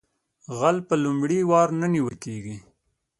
غل په لومړي وار نه نیول کیږي